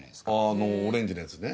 あのオレンジのやつね。